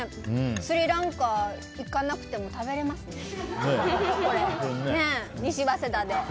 スリランカに行かなくても食べられますね、これで。